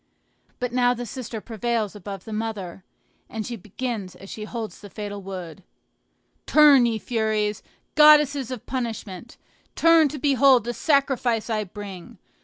But now the sister prevails above the mother, and she begins as she holds the fatal wood: "Turn, ye Furies, goddesses of punishment! turn to behold the sacrifice I bring!